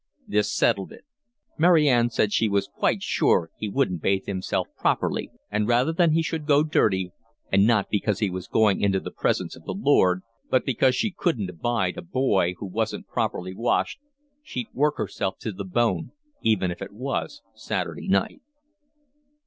This settled it. Mary Ann said she was quite sure he wouldn't bath himself properly, and rather than he should go dirty—and not because he was going into the presence of the Lord, but because she couldn't abide a boy who wasn't properly washed—she'd work herself to the bone even if it was Saturday night.